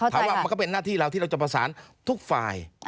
มันก็เป็นหน้าที่เราที่เราจะประสานทุกฝ่าย